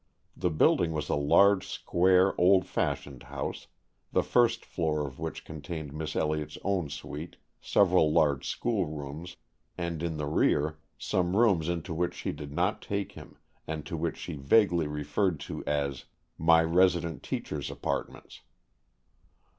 The building was a large square old fashioned house, the first floor of which contained Miss Elliott's own suite, several large school rooms, and, in the rear, some rooms into which she did not take him, and to which she vaguely referred as "my resident teachers' apartments."